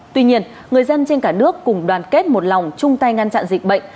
tuy nhiên người dân trên cả nước cùng đoàn kết một lòng chung tay ngăn chặn dịch bệnh